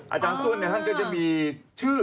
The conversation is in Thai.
อาจารย์ส้วนท่านก็จะมีชื่อ